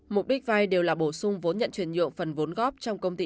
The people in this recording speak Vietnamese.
mục đích vai đều là bổ sung vốn nhận truyền dụng phần vốn góp trong công ty